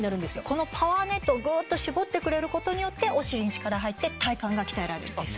このパワーネットをぐっと絞ってくれることによってお尻に力が入って体幹が鍛えられるんです。